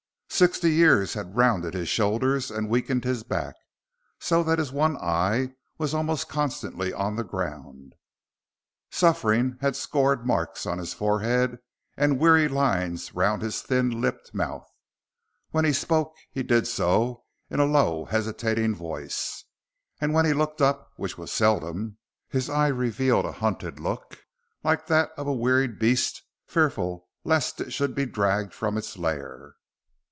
Sixty years had rounded his shoulders and weakened his back, so that his one eye was almost constantly on the ground. Suffering had scored marks on his forehead and weary lines round his thin lipped mouth. When he spoke he did so in a low, hesitating voice, and when he looked up, which was seldom, his eye revealed a hunted look like that of a wearied beast fearful lest it should be dragged from its lair.